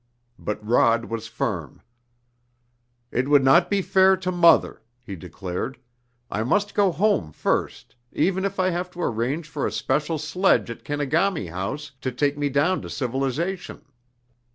But Rod was firm. "It would not be fair to mother," he declared. "I must go home first, even if I have to arrange for a special sledge at Kenegami House to take me down to civilization."